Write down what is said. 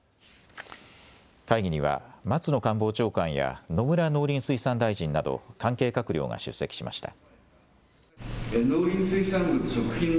会議には松野官房長官や野村農林水産大臣など関係閣僚が出席しました。